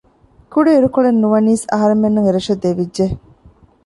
ކުޑައިރުކޮޅެއް ނުވަނީސް އަހަރުމެންނަށް އެ ރަށަށް ދެވިއްޖެ